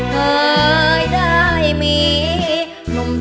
เมย์ได้มีนุ่มเตาทุกข์ยังสาบาด